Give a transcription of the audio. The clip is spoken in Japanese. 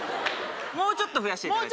もうちょっと増やしていただいて。